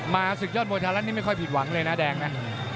มาสุขยอดมโมยทาระนี่ไม่ค่อยผิดหวังเลยนะแดงนะ